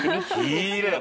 きれい！